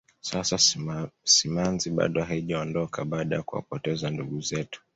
sasa simanzi bado haijaondoka baada ya kuwapoteza ndugu zetu